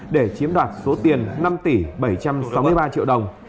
để chiếm đoạt số tiền năm tỷ bảy trăm sáu mươi ba triệu đồng